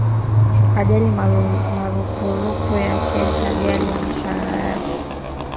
hajalipa marupurupu yake hajalipa mshara yake